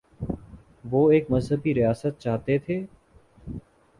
وہ ایک مذہبی ریاست چاہتے تھے؟